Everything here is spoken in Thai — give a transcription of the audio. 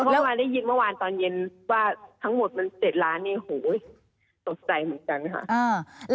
แล้วมาได้ยินเมื่อวานตอนเย็นว่าทั้งหมดมัน๗ล้านเนี่ยโหตกใจเหมือนกันค่ะ